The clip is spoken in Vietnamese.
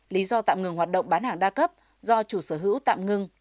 lý do tạm ngừng hoạt động bán hàng đa cấp do chủ sở hữu tạm ngừng